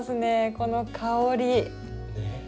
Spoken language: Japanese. この香り。ね。